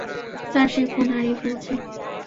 Sir, সে phone হারিয়ে ফেলেছে।